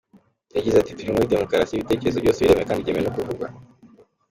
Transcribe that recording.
Yagize ati“Turi muri demukarasi, ibitekerezo byose biremewe kandi byemewe no kuvugwa.